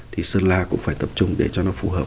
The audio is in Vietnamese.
thì sơn la cũng phải tập trung để cho nó phù hợp